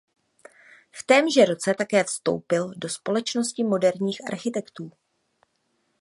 V témže roce také vstoupil do společnosti moderních architektů.